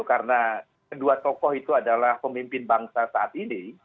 karena kedua tokoh itu adalah pemimpin bangsa saat ini